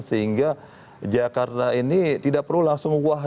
sehingga jakarta ini tidak perlu langsung wah